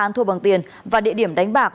ăn thua bằng tiền và địa điểm đánh bạc